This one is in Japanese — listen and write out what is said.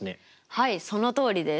はいそのとおりです。